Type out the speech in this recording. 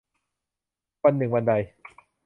วันหนึ่งวันใด